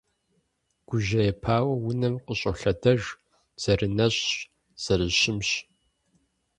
Гужьеипауэ, унэм къыщӀолъэдэж, зэрынэщӀщ, зэрыщымщ…